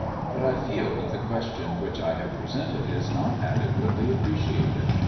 But I feel that the ques tion which I have presented is not adequately appreci ated.